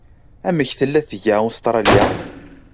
Amek tella tga Ustṛalya?